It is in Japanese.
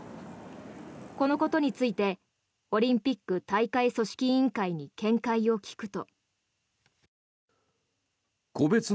このことについてオリンピック大会組織委員会に見解を聞くと。